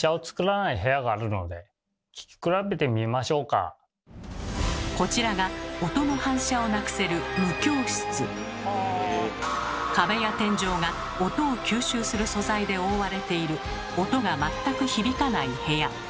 仮にこちらが音の反射をなくせる壁や天井が音を吸収する素材で覆われている音が全く響かない部屋。